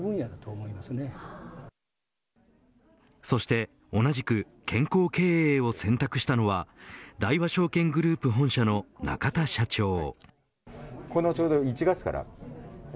そして同じく健康経営を選択したのは大和証券グループ本社の中田社長。